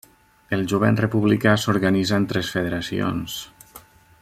El Jovent Republicà s'organitza en tres federacions: